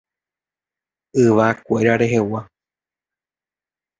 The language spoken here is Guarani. Yvakuéra rehegua.